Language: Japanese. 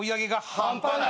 半端ない。